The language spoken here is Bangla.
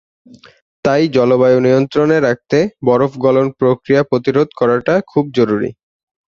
তাই জলবায়ু নিয়ন্ত্রণে রাখতে বরফ গলন প্রক্রিয়া প্রতিরোধ করাটা খুব জরুরী।